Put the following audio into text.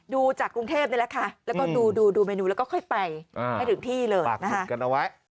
ดูจากกรุงเทพนี่แหละค่ะแล้วก็ดูดูดูเมนูแล้วก็ค่อยไปให้ถึงที่เลยนะฮะ